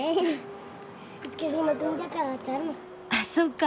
あっそうか。